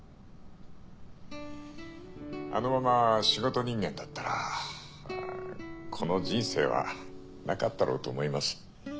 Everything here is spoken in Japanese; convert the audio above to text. あのまま仕事人間だったらこの人生はなかったろうと思います。